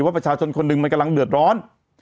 ประชาชนคนหนึ่งมันกำลังเดือดร้อน